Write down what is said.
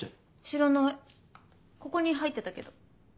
知らないここに入ってたけど。